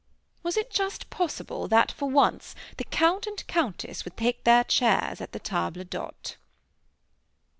Was it just possible that, for once, the Count and Countess would take their chairs at the table d'hôte?